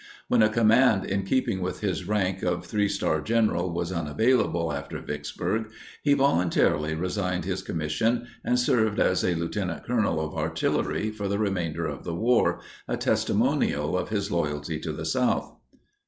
When a command in keeping with his rank of three star general was unavailable after Vicksburg, he voluntarily resigned his commission and served as a lieutenant colonel of artillery for the remainder of the war—a testimonial of his loyalty to the South.